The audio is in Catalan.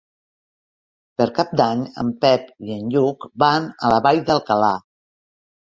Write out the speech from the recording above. Per Cap d'Any en Pep i en Lluc van a la Vall d'Alcalà.